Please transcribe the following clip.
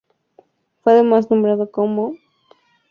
Fue además nombrado como Comandante de la Orden del Redentor.